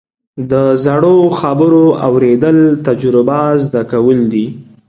د زړو خبرو اورېدل، تجربه زده کول دي.